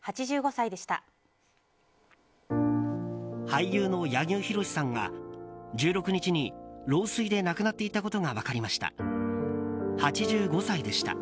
俳優の柳生博さんが亡くなっていたことが分かりました。